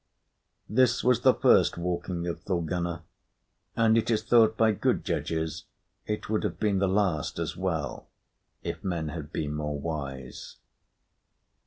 This was the first walking of Thorgunna, and it is thought by good judges it would have been the last as well, if men had been more wise.